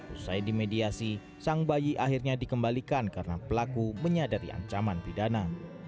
usai dimediasi sang bayi akhirnya dikembalikan karena pelaku menyadari ancaman pidana